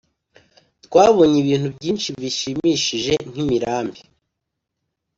Twabonye ibintu byinshi bishimishije nk’imirambi